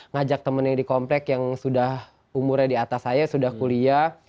ngajak temen yang di komplek yang sudah umurnya di atas saya sudah kuliah